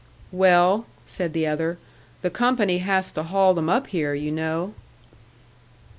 "Well," said the other, "the company has to haul them up here, you know!"